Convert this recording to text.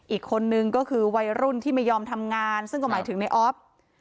อีกคนนึงก็คือวัยรุ่นที่ไม่ยอมทำงานซึ่งก็หมายถึงในออฟ